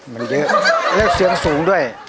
มันเยอะแล้วเสียงสูงด้วย